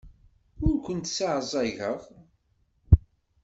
Ur kent-sseɛẓageɣ.